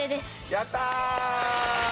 やったー！